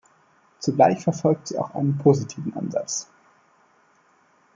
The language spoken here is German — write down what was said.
Zugleich verfolgt sie auch einen positiven Ansatz.